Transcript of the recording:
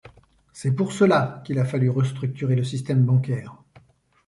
C'est pour cela qu'il a fallu restructurer le système bancaire.